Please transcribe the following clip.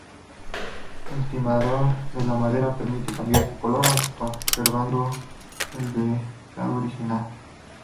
El tintado de la madera permite cambiar su color, aunque conservando el veteado original.